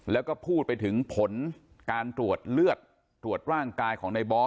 แล้วก็พูดไปถึงผลการตรวจเลือดตรวจร่างกายของในบอส